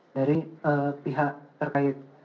dari pihak terkait